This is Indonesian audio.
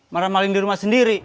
marah maling di rumah sendiri